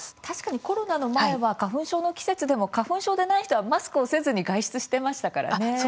確かにコロナの前は花粉症の季節でも花粉症でない人はマスクをせずに外出していましたからね。